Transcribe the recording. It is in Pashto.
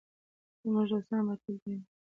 زموږ دوستان به تل یو وي.